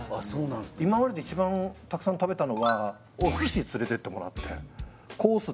今までで一番たくさん食べたのはお寿司連れてってもらってコース